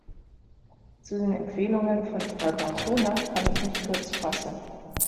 Zu den Empfehlungen von Frau d'Ancona kann ich mich kurz fassen.